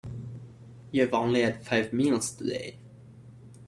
You've only had five meals today.